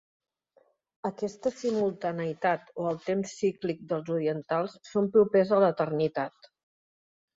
Aquesta simultaneïtat o el temps cíclic dels orientals són propers a l'eternitat.